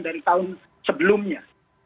dari tahun sebelumnya